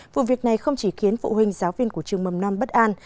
vụ việc này không chỉ khiến phụ huynh giáo viên của trường mầm non bất an